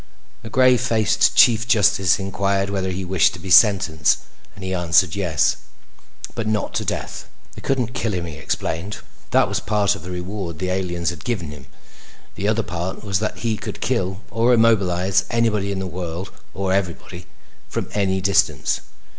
The gray faced Chief Justice inquired whether he wished to be sentenced and he answered yes, but not to death. They couldn't kill him, he explained. That was part of the reward the aliens had given him. The other part was that he could kill or immobilize anybody in the world or everybody from any distance.